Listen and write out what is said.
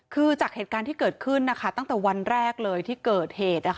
คือจากเหตุการณ์ที่เกิดขึ้นตั้งแต่วันแรกเลยที่เกิดเหตุ